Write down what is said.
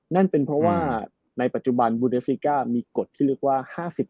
นั่นเป็นเพราะว่าในปัจจุบันบูเดสติก้ามีกฎที่เรียกว่า๕๐